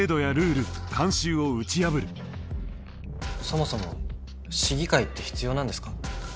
そもそも市議会って必要なんですか？